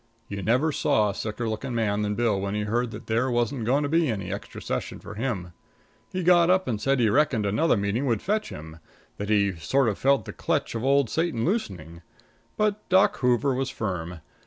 You never saw a sicker looking man than Bill when he heard that there wasn't going to be any extra session for him. He got up and said he reckoned another meeting would fetch him; that he sort of felt the clutch of old Satan loosening; but Doc Hoover was firm.